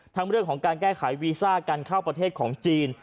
เรื่องของการแก้ไขวีซ่าการเข้าประเทศของจีน